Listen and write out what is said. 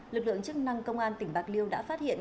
lực lượng chức năng công an tỉnh bạc liêu đã phát hiện